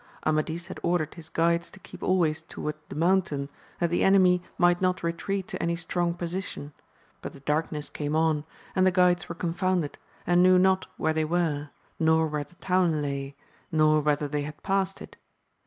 Amadisi had ordered his guides to keep always toward the mountain, that the enemy might not retreat to any strong position ; but the darkness came on, and the guides were confounded, and knew not where they were, nor where the town lay, nor whether they had passed it.